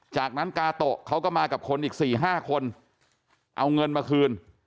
จากนั้นกาโตะเขาก็มากับคนอีก๔๕คนเอาเงินมาคืน